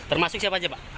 termasuk siapa saja pak